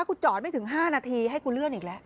จอดไม่ถึง๕นาทีให้กูเลื่อนอีกแล้ว